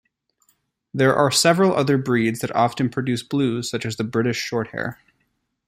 There are several other breeds that often produce blues such as the British Shorthair.